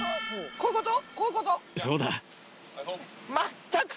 こういうこと？